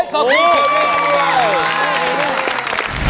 ขอบคุณครับ